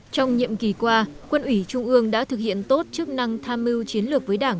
trong nhiệm kỳ qua quân ủy trung ương đã thực hiện tốt chức năng tham mưu chiến lược với đảng